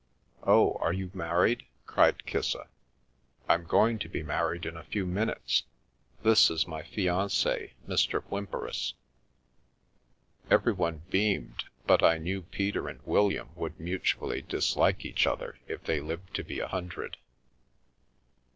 " Oh, are you married ?" cried Kissa. " I'm going to be married in a few minutes. This is my fiance, Mr. Whymperis." Everyone beamed, but I knew Peter and William would mutually dislike each other if they lived to be a hundred.